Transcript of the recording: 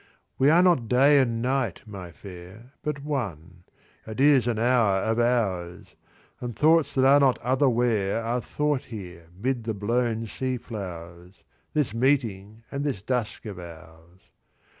We are not day and night, my Fair, But one. It is an hour of hours. And thoughts that are not otherwhere Are thought here 'mid the blown sea flowers, This meeting and this dusk of ours.